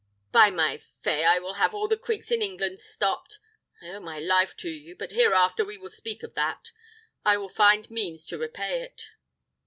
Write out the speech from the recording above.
By my fay, I will have all the creeks in England stopped. I owe my life to you, but hereafter we will speak of that: I will find means to repay it."